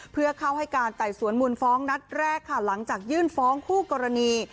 เพื่อเข้าให้การไต่สวนมูลฟ้องนัดแรกค่ะหลังจากยื่นฟ้องคู่กรณี